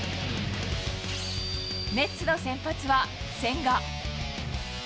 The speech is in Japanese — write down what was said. メッツの先発は千賀。